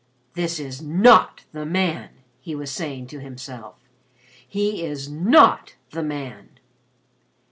"That is not the man!" he was saying to himself. "He is not the man."